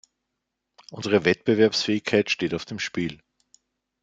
Unsere Wettbewerbsfähigkeit steht auf dem Spiel.